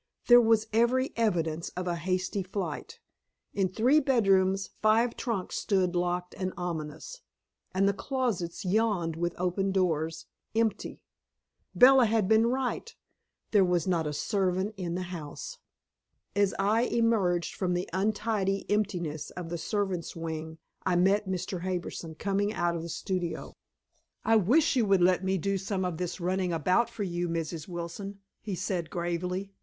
There was every evidence of a hasty flight; in three bedrooms five trunks stood locked and ominous, and the closets yawned with open doors, empty. Bella had been right; there was not a servant in the house. As I emerged from the untidy emptiness of the servants' wing, I met Mr. Harbison coming out of the studio. "I wish you would let me do some of this running about for you, Mrs. Wilson," he said gravely.